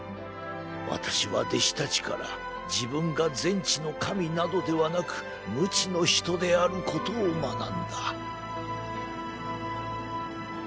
私は弟子たちから自分が全知の神などではなく無知の人であることを学んだ」。